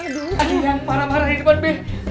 aduh aduh yang parah parah di depan b